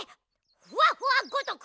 ふわふわごとく。